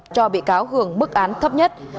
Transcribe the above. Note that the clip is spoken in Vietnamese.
cho bị cáo hưởng bức án thấp nhất